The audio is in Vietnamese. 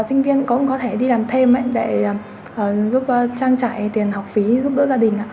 sinh viên cũng có thể đi làm thêm để giúp trang trải tiền học phí giúp đỡ gia đình